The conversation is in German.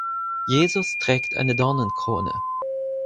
Jesus trägt eine Dornenkrone.